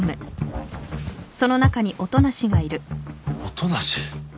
音無。